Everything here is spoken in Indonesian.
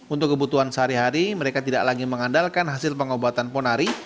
untuk kebutuhan sehari hari mereka tidak lagi mengandalkan hasil pengobatan ponari